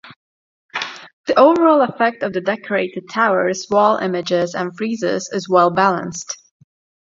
The overall effect of the decorated towers, wall images and friezes is well balanced.